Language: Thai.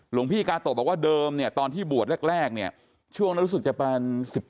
หลวงพี่กาโตะบอกว่าเดิมตอนที่บวชแรกช่วงนั้นรู้สึกจะเป็น๑๘๑๙